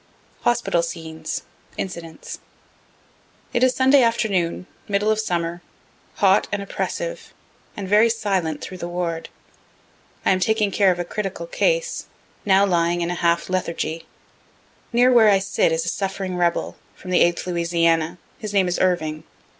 _ HOSPITAL SCENES INCIDENTS It is Sunday afternoon, middle of summer, hot and oppressive, and very silent through the ward. I am taking care of a critical case, now lying in a half lethargy. Near where I sit is a suffering rebel, from the 8th Louisiana; his name is Irving.